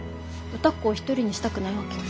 歌子を一人にしたくないわけよ。